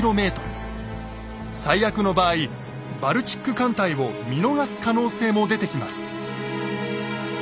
最悪の場合バルチック艦隊を見逃す可能性も出てきます。